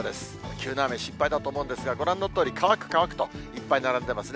急な雨、心配だと思うんですが、ご覧のとおり、乾く、乾くといっぱい並んでますね。